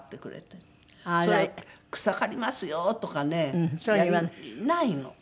それ「草刈りますよ」とかねないの。